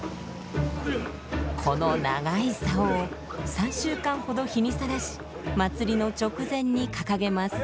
この長い竿を３週間ほど日にさらし祭りの直前に掲げます。